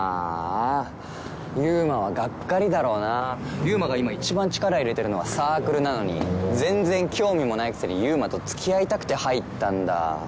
優馬が今一番力入れてるのはサークルなのに全然興味もないくせに優馬と付き合いたくて入ったんだ？